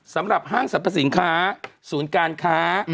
สำหรับห้างสรรพสินค้าศูนย์การค้า